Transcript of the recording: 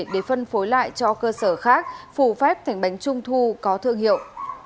để phân phối lại cho cơ sở khác phủ phép thành bánh trung thu có thương hiệu